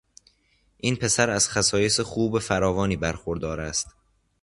این پسر از خصایص خوب فراوانی برخوردار است.